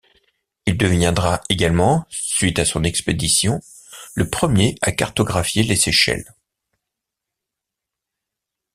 Il deviendra également suite à son expédition le premier à cartographier les Seychelles.